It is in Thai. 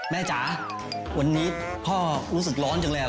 จ๋าวันนี้พ่อรู้สึกร้อนจังเลย